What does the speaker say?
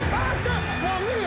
もう無理。